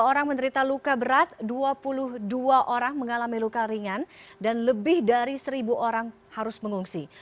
dua puluh orang menderita luka berat dua puluh dua orang mengalami luka ringan dan lebih dari seribu orang harus mengungsi